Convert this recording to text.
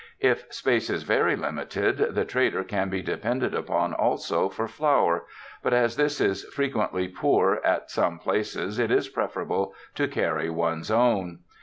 If space is very limited, the trader can be depended upon also for flour, but as this is frequently poor at some places, it is pref erable to carry one's own.